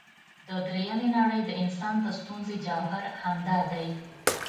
د درېمې نړۍ د انسان د ستونزې جوهر همدا دی.